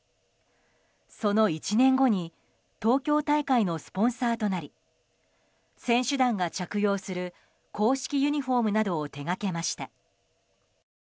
その１年後に東京大会のスポンサーとなり選手団が着用する公式ユニホームなどを手がけました。